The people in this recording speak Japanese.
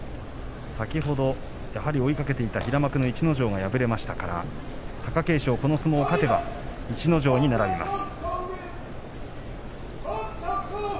先ほどもやはり追いかけていた平幕の逸ノ城が敗れましたから貴景勝も、この相撲に勝てば逸ノ城に並びます。